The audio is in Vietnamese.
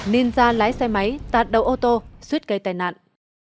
ninja lái xe máy tạt đầu ô tô suýt cây tai nạn